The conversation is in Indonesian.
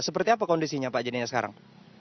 seperti apa kondisinya pak jennial sekarang